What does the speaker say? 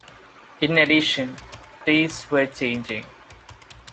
In addition, tastes were changing.